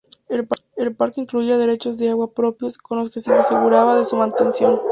El parque incluía derechos de agua propios, con lo que se aseguraba su mantención.